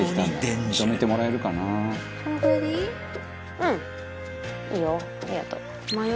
うんいいよありがとう。